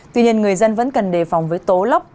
tuy nhiên người dân vẫn cần đề phòng với tố lốc